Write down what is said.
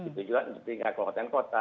itu juga tinggal kewakilan kota